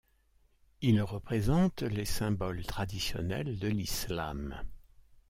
Ils représentent les symboles traditionnels de l'islam.